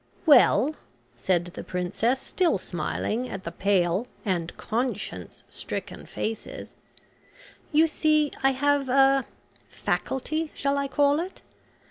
"Well," said the princess, still smiling at the pale and conscience stricken faces, "you see I have a faculty shall I call it?